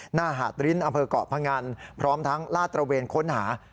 หน้าหาดริ้นอำเภอกเกาะพงันพร้อมทั้งลาดตระเวนค้นหา